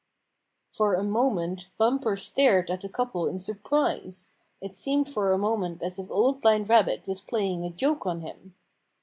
For a moment Bumper stared at the couple in surprise. It seemed for a moment as if Old Blind Rabbit was playing a joke on him.